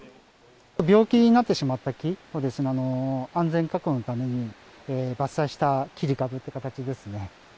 病気になってしまった木を安全確保のために、伐採した切り株って形ですね。